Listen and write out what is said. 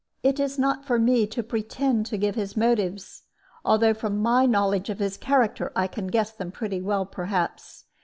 "It is not for me to pretend to give his motives, although from my knowledge of his character I can guess them pretty well, perhaps.